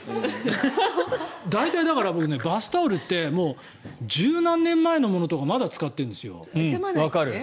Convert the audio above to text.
大体、だからバスタオルってもう１０何年前のもの使ってるんですよ。